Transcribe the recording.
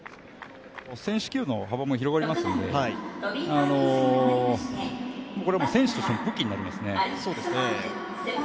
選手起用の幅も広がりますのでこれは選手としての武器になりますね。